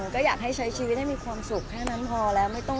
ก็อยากให้ใช้ชีวิตให้มีความสุขแค่นั้นพอแล้ว